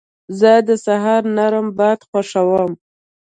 زه د سهار نرم باد خوښوم.